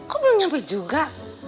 kok belum nyampe juga